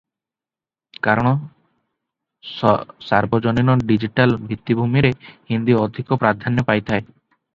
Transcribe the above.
କାରଣ ସାର୍ବଜନୀନ ଡିଜିଟାଲ ଭିତ୍ତିଭୂମିରେ ହିନ୍ଦୀ ଅଧିକ ପ୍ରାଧାନ୍ୟ ପାଇଥାଏ ।